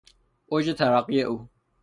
اوج ترقی او